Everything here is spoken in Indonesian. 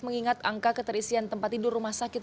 mengingat angka keterisian tempat tidur rumah sakit